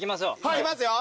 いきますよ。